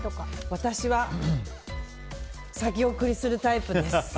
私は先送りするタイプです。